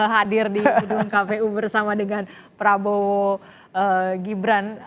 hadir di gedung kpu bersama dengan prabowo gibran